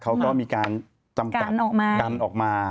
เขาก็มีการจำกัดกันออกมา